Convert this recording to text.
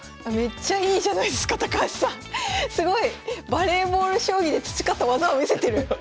バレーボール将棋で培った技を見せてる！